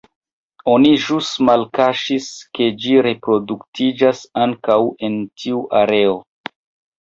Oni ĵus malkaŝis, ke ĝi reproduktiĝas ankaŭ en tiu areo.